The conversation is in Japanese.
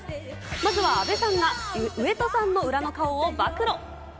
まずは阿部さんが上戸さんの裏の顔を暴露。